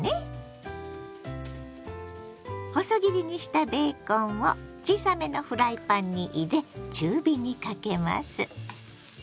細切りにしたベーコンを小さめのフライパンに入れ中火にかけます。